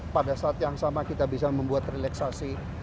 pada saat yang sama kita bisa membuat relaksasi